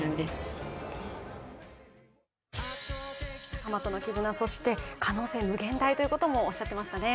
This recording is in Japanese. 仲間との絆、可能性、無限大ということもおっしゃっていましたね。